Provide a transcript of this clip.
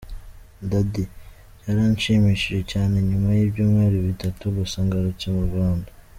Dady: Byaranshimishije cyane nyuma y’ibyumweru bitatu gusa ngarutse mu Rwanda.